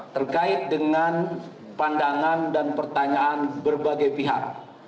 terkait dengan pandangan dan pertanyaan berbagai pihak